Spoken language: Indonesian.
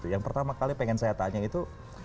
yang pertama kali pengen saya tanya itu